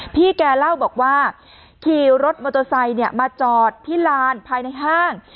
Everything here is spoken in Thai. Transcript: พี่แกเล่าบอกว่าขี่รถมอเตอร์ไซค์มาจอดที่ลานภายในห้าง